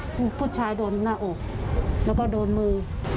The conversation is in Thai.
ผู้ชายโดนหน้าอกแล้วก็โดนมือ